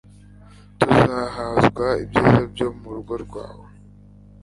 Tuzahazwa ibyiza byo mu rugo rwawe